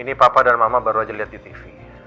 ini papa dan mama baru aja lihat di tv